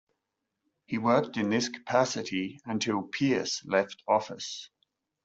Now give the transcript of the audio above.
He worked in this capacity until Pierce left office.